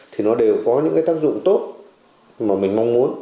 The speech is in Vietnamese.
thì nó đều có những cái tác dụng tốt mà mình mong muốn